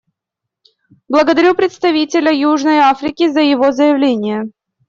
Благодарю представителя Южной Африки за его заявление.